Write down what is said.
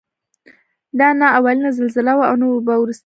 دا نه اولینه زلزله وه او نه به وروستۍ وي.